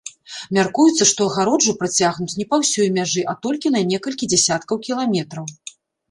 Мяркуецца, што агароджу працягнуць не па ўсёй мяжы, а толькі на некалькі дзясяткаў кіламетраў.